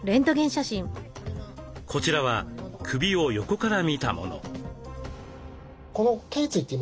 こちらは首を横から見たもの。